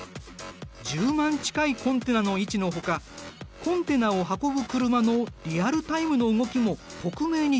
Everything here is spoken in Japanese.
１０万近いコンテナの位置のほかコンテナを運ぶ車のリアルタイムの動きも克明に表示されている。